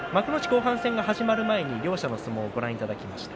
後半戦が始まる前に両者の相撲をご覧いただきました。